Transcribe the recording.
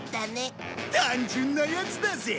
単純なヤツだぜ！